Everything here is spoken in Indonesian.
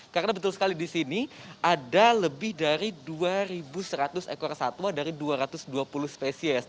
karena betul sekali di sini ada lebih dari dua seratus ekor satwa dari dua ratus dua puluh spesies